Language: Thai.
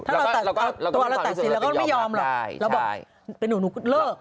ถ้าเราตัดสินเราก็ไม่ยอมหรอกเราก็ตัดสินเราก็ไม่ยอมหรอกเราบอกเป็นหนูหนูเลิก